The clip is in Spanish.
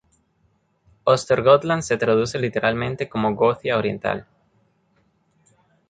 Östergötland se traduce literalmente como "Gothia oriental".